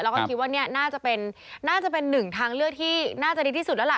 แล้วก็คิดว่าน่าจะเป็นหนึ่งทางเลือกที่น่าจะดีที่สุดแล้วล่ะ